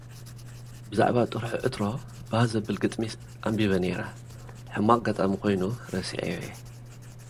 ብዛዕባ ጥርሑ ዕትሮ፡ ባህ ዘብል ግጥሚ ኣንቢበ ነይረ... ሕማቕ ኣጋጣሚ ኮይኑ፡ ረስዔዮ'የ።